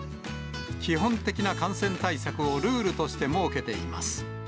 基本的な感染対策をルールとして設けています。